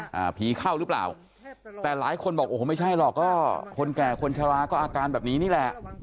อ่าผีเข้าหรือเปล่าแต่หลายคนบอกโอ้โหไม่ใช่หรอกก็คนแก่คนชะลาก็อาการแบบนี้นี่แหละ